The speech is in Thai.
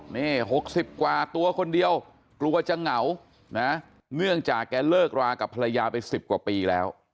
นี่๖๐กว่าตัวคนเดียวกลัวจะเหงานะเนื่องจากแกเลิกรากับภรรยาไป๑๐กว่าปีแล้ว